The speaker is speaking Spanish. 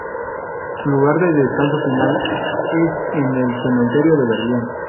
Su lugar de descanso final es en el cementerio de Berlín.